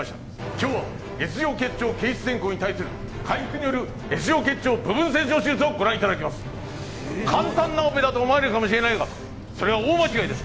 「今日はＳ状結腸憩室穿孔に対する開腹によるＳ状結腸部分切除手術をご覧頂きます」「簡単なオペだと思われるかもしれないがそれは大間違いです」